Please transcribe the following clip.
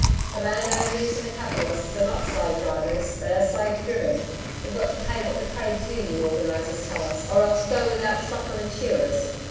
'The landowners and the capitalists are not slave drivers, they are slave driven. We've got to pay what the Trades' Union organisers tell us or else go without stockmen or shearers.